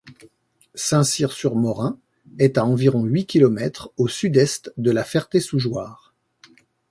Saint-Cyr-sur-Morin est à environ huit kilomètres au sud-est de La Ferté-sous-Jouarre.